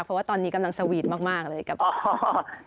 เพราะว่าตอนนี้กำลังสวีทมากเลยกับพ่อ